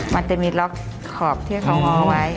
มันจะมีล็อกขอบที่เขาง้อไว้